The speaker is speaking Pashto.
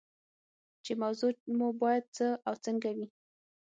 چې موضوع مو باید څه او څنګه وي.